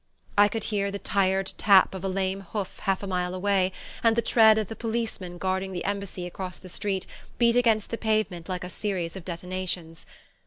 I could hear the tired tap of a lame hoof half a mile away, and the tread of the policeman guarding the Embassy across the street beat against the pavement like a series of detonations.